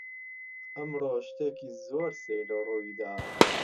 ئەمڕۆ شتێکی زۆر سەیر ڕووی دا.